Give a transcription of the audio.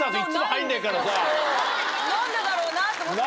何でだろうなと思って。